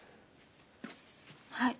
はい。